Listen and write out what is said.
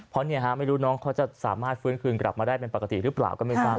เพราะไม่รู้น้องเขาจะสามารถฟื้นคืนกลับมาได้เป็นปกติหรือเปล่าก็ไม่ทราบ